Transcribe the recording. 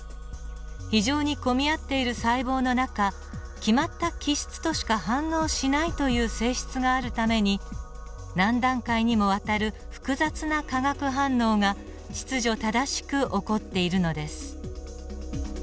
非常に混み合っている細胞の中決まった基質としか反応しないという性質があるために何段階にもわたる複雑な化学反応が秩序正しく起こっているのです。